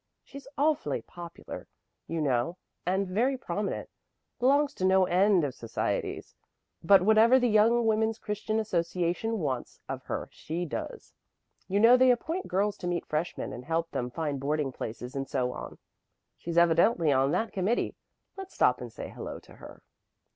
She's awfully popular, you know, and very prominent, belongs to no end of societies. But whatever the Young Women's Christian Association wants of her she does. You know they appoint girls to meet freshmen and help them find boarding places and so on. She's evidently on that committee. Let's stop and say hello to her."